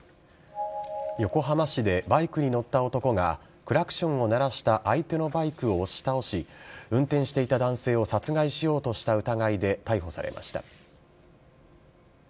横浜市でバイクに乗った男がクラクションを鳴らした相手のバイクを押し倒し運転していた男性を殺害しようとした疑いで逮捕されました。